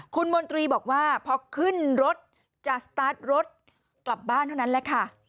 คุณมนตรีบอกว่าพอขึ้นรถจะสตาร์ทรถกลับบ้านเท่านั้นแหละค่ะ